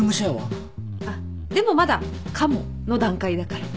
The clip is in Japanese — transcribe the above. あっでもまだ「かも」の段階だから。